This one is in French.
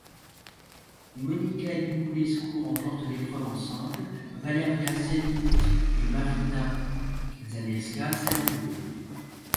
Monica Niculescu remporte l'épreuve en simple, Valeria Savinykh et Maryna Zanevska celle en double.